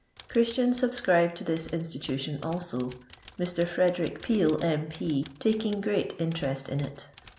Christians sub scribe to this institution also — Mr. Frederick Feel, M.P., taking great interest in it.